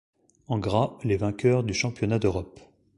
En gras, les vainqueurs du Championnat d'Europe.